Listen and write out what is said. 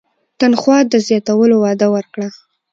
تنخوا د زیاتولو وعده ورکړه.